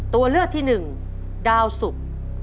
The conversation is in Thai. ตัวเลือกที่๑ดาวสุบ